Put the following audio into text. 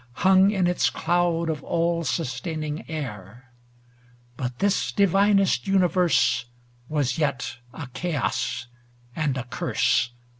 Hung in its cloud of all sustaining air; But this divinest universe Was yet a chaos and a curse.